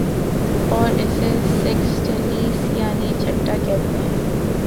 اور اسے سیکستیلیس یعنی چھٹا کہتے تھے